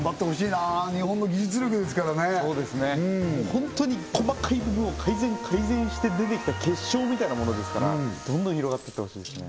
ホントに細かい部分を改善改善して出てきた結晶みたいなものですからどんどん広がってってほしいですね